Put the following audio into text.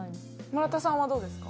村田さんはどうですか？